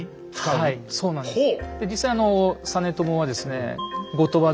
はいそうなんです。